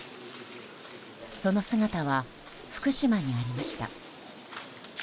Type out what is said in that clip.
その姿は福島にありました。